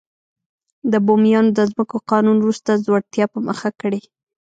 د بومیانو د ځمکو قانون وروسته ځوړتیا په مخه کړې.